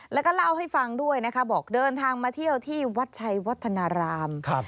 แล้วก็เล่าให้ฟังด้วยนะคะบอกเดินทางมาเที่ยวที่วัดชัยวัฒนาราม